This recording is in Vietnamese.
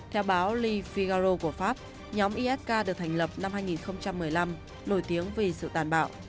theo báo lee figaro của pháp nhóm isk được thành lập năm hai nghìn một mươi năm nổi tiếng vì sự tàn bạo